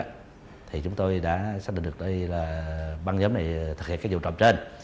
thì thì chúng tôi xác định được đây là ban nhóm này thực hiện dụ trộm đấy